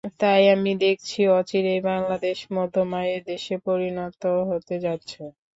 তাই আমি দেখছি, অচিরেই বাংলাদেশ মধ্যম আয়ের দেশে পরিণত হতে যাচ্ছে।